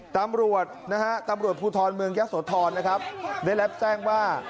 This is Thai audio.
ตำรวจพูทรเมืองยศทรได้แล้วแจ้งว่า